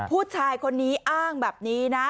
ผู้ชายคนนี้อ้างแบบนี้นะ